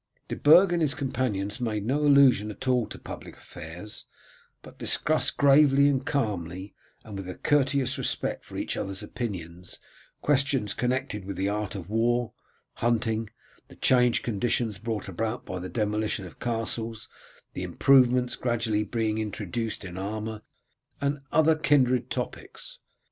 De Burg and his companions made no allusion at all to public affairs, but discussed gravely and calmly, and with a courteous respect for each other's opinions, questions connected with the art of war, hunting, the changed conditions brought about by the demolition of castles, the improvements gradually being introduced in armour, and other kindred topics.